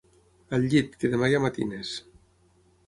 Al llit, que demà hi ha matines.